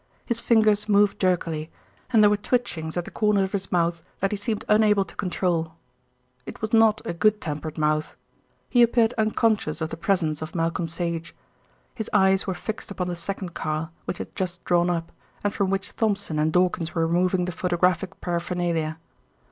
His fingers moved jerkily, and there were twitchings at the corners of his mouth that he seemed unable to control. It was not a good tempered mouth. He appeared unconscious of the presence of Malcolm Sage. His eyes were fixed upon the second car, which had just drawn up, and from which Thompson and Dawkins were removing the photographic paraphernalia.